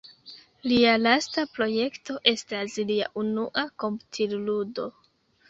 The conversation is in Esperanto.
Lia lasta projekto estas lia unua komputil-ludo!